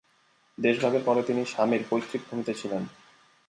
দেশ ভাগের পরে তিনি স্বামীর পৈতৃক ভূমিতে ছিলেন।